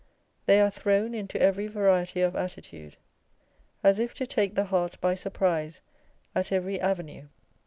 They are thrown into every variety of attitude, as if to take the heart by surprise at every avenue.